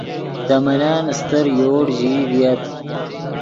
دے ملن استر یوڑ ژیئی ڤییت